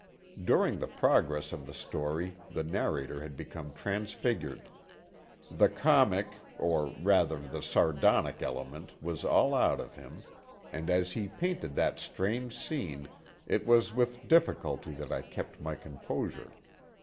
During the progress of the story the narrator had become transfigured. The comic, or rather, the sardonic element was all out of him, and as he painted that strange scene it was with difficulty that I kept my composure.